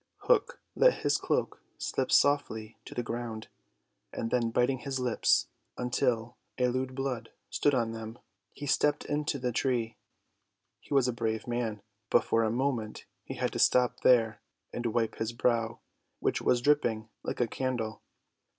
Hook let his cloak slip softly to the ground, and then biting his lips till a lewd blood stood on them, he stepped into the tree. He was a brave man, but for a moment he had to stop there and wipe his brow, which was dripping like a candle.